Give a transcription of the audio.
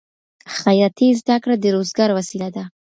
خیاطۍ زده کړه د روزګار وسیله ده.